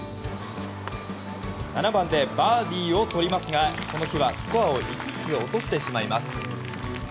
７番でバーディーを取りますがこの日はスコアを５つ落としてしまいます。